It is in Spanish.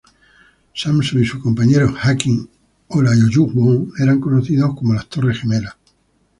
Sampson y su compañero Hakeem Olajuwon eran conocidos como "Las Torres Gemelas".